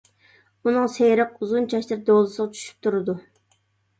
ئۇنىڭ سېرىق، ئۇزۇن چاچلىرى دولىسىغا چۈشۈپ تۇرىدۇ.